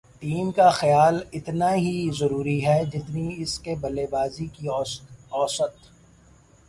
team کا خیال اتنا ہی ضروری ہے جتنی اس کی بلےبازی کی اوسط